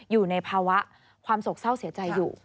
อยู่ในภาวะความโศกเศร้าเสียใจอยู่